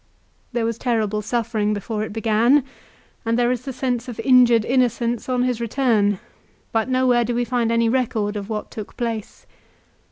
There was terrible suffering before it began, and there is the sense of injured innocence on his return, but nowhere do we find any record of what took place.